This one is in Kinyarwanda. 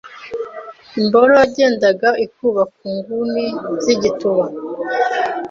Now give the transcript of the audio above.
imboro yagendaga ikuba ku nguni zigituba